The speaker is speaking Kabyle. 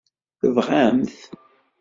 Tebɣam-t?